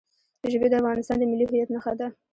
ژبې د افغانستان د ملي هویت نښه ده.